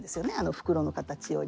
袋の形より。